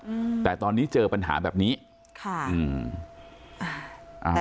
อืมแต่ตอนนี้เจอปัญหาแบบนี้ค่ะอืมอ่าอ่า